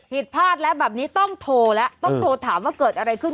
ผิดพลาดแล้วแบบนี้ต้องโทรแล้วต้องโทรถามว่าเกิดอะไรขึ้น